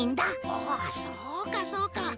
おおそうかそうか。